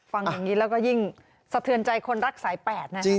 ฟังอย่างนี้แล้วก็ยิ่งสะเทือนใจคนรักสายแปดนะ